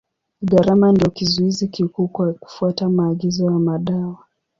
Gharama ndio kizuizi kikuu kwa kufuata maagizo ya madawa.